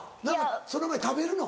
その前に食べるの？